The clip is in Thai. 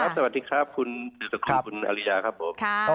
สวัสดีครับคุณติวส่งครูคุณอริยาครับ